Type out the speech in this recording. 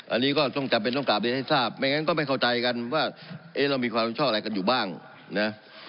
อันนี้ก็ต้องจำเป็นต้องกลับเรียนให้ทราบไม่งั้นก็ไม่เข้าใจกันว่าเอ๊ะเรามีความชอบอะไรกันอยู่บ้างนะ